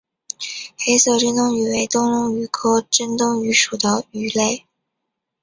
黑色珍灯鱼为灯笼鱼科珍灯鱼属的鱼类。